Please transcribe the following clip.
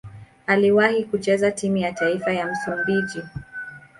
Aliwahi kucheza timu ya taifa ya Msumbiji.